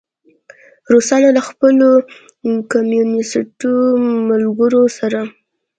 روسانو له خپلو کمونیسټو ملګرو سره.